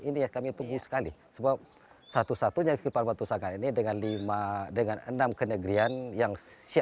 ini kami tunggu sekali sebab satu satunya kekepatan usaha ini dengan lima dengan enam kenyegrian yang